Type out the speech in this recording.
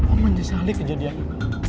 om menyesali kejadianmu